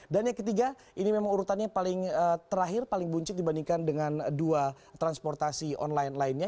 dan yang ketiga ini memang urutannya paling terakhir paling buncit dibandingkan dengan dua transportasi online lainnya